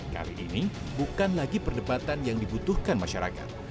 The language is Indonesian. kali ini bukan lagi perdebatan yang dibutuhkan masyarakat